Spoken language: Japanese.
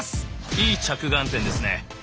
いい着眼点ですね！